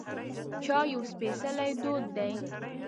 چای یو سپیڅلی دود دی.